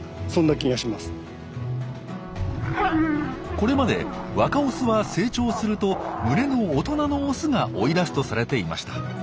これまで若オスは成長すると群れの大人のオスが追い出すとされていました。